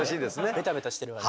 ベタベタしてるわね。